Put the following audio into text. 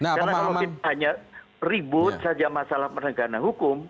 karena kalau kita hanya ribut saja masalah penegangan hukum